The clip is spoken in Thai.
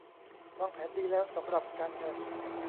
วางแผนดีแล้วสำหรับการเงิน